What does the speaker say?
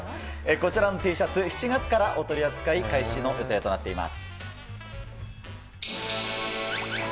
こちらのＴシャツ、７月からお取り扱い開始の予定となっています。